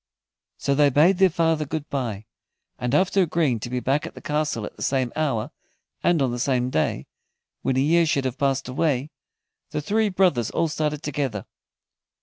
So they bade their father good bye, and after agreeing to be back at the castle at the same hour, and on the same day, when a year should have passed away, the three brothers all started together.